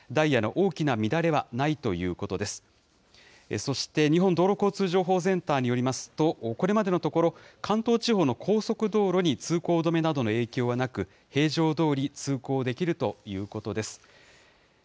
そして日本道路交通情報センターによりますと、これまでのところ、関東地方の高速道路に通行止めなどの影響はなく、平常どおり通行できるということです。